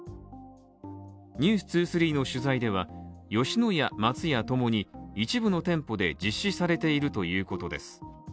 「ｎｅｗｓ２３」の取材では、吉野家、松屋ともに一部の店舗で実施されているということです